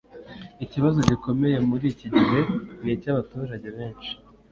Ikibazo gikomeye muri iki gihe ni icy'abaturage benshi.